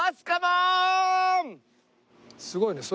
すごいね。